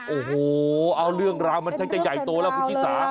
โอ้โหเอาเรื่องราวมันช่างจะใหญ่โตแล้วคุณชิสา